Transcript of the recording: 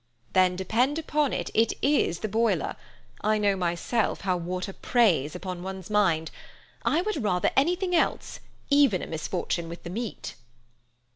"Then, depend upon it, it is the boiler. I know myself how water preys upon one's mind. I would rather anything else—even a misfortune with the meat."